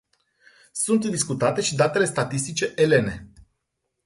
Sunt discutate și datele statistice elene.